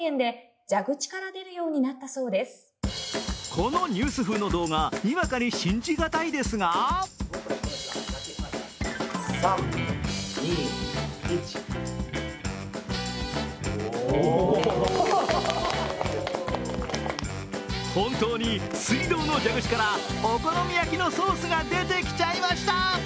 このニュース風の動画にわかに信じ難いですが本当に水道の蛇口からお好み焼きのソースが出てきちゃいました。